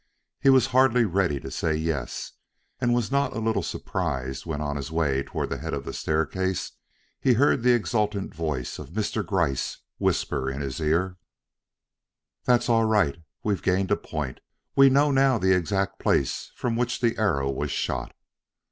He was hardly ready to say yes, and was not a little surprised when on his way toward the head of the staircase he heard the exultant voice of Mr. Gryce whisper in his ear: "That's all right. We've gained a point. We know now the exact place from which the arrow was shot."